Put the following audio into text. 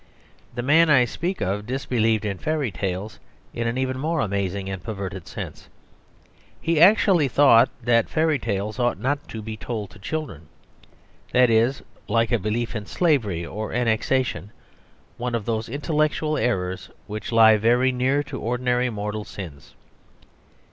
The man I speak of disbelieved in fairy tales in an even more amazing and perverted sense. He actually thought that fairy tales ought not to be told to children. That is (like a belief in slavery or annexation) one of those intellectual errors which lie very near to ordinary mortal sins.